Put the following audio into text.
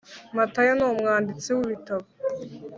Matayo numwanditsi wibitabo.